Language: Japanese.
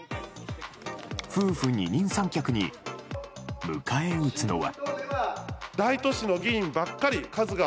夫婦二人三脚に迎え撃つのは。